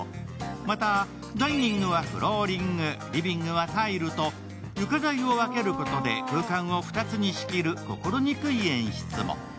また、ダイニングはフローリング、リビングはタイルと床材を分けることで空間を２つに仕切る心憎い演出も。